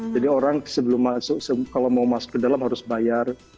orang kalau mau masuk ke dalam harus bayar